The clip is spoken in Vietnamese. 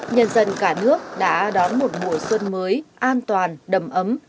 nhân dân cả nước đã đón một mùa xuân mới an toàn đầm ấm